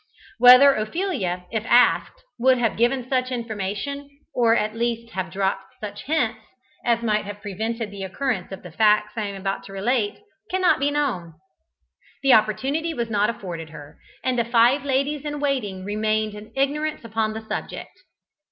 Whether Ophelia, if asked, would have given such information, or at least have dropped such hints, as might have prevented the occurrence of the facts I am about to relate, cannot now be known. The opportunity was not afforded her, and the five ladies in waiting remained in ignorance upon the subject.